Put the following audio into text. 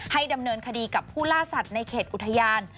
ดำเนินคดีกับผู้ล่าสัตว์ในเขตอุทยาน